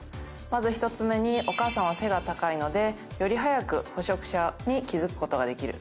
まず１つ目にお母さんは背が高いので、より早く捕食者に気付くことができる。